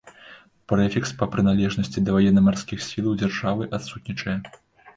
Прэфікс па прыналежнасці да ваенна-марскіх сілаў дзяржавы адсутнічае.